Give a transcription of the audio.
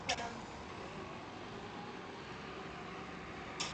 Účinnou prevencí je očkování.